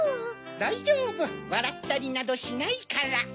だいじょうぶわらったりなどしないから。